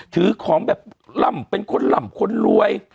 ถือของแบบล่ำเป็นคนหล่ำคนรวย